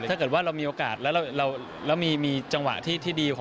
ถ้าเกิดว่าเรามีโอกาสแล้วมีจังหวะที่ดีกว่า